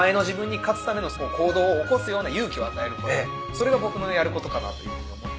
それが僕のやることかなというふうに思って。